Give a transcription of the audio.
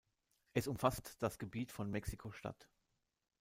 Es umfasst das Gebiet von Mexiko-Stadt.